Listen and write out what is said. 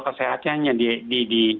kesehatannya yang di